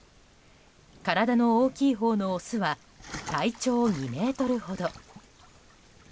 体の大きいほうのオスは体長２ｍほど。